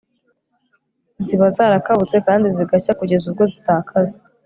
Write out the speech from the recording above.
ziba zarakabutse kandi zigashya kugeza ubwo zitakaza